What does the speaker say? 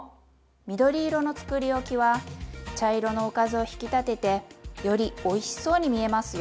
緑色のつくりおきは茶色のおかずを引き立ててよりおいしそうに見えますよ。